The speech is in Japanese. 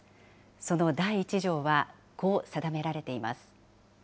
その第１条は、こう定められています。